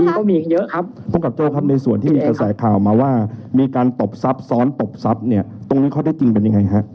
ก็มีเยอะครับภูมิกับโจ้ครับในส่วนที่มีกระแสข่าวมาว่ามีการตบทรัพย์ซ้อนตบทรัพย์เนี่ยตรงนี้ข้อได้จริงเป็นยังไงฮะ